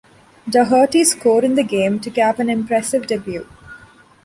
Doherty scored in the game to cap an impressive debut.